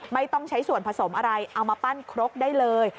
ไม่ต้องใช้ส่วนผสมอะไรเอามาปั้นครกได้เลย